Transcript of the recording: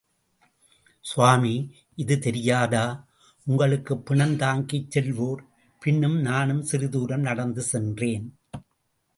சுவாமி, இது தெரியாதா உங்களுக்கு பிணம் தாக்கிச் செல்வோர் பின்னே நானும் சிறிது தூரம் நடந்து சென்றேன்.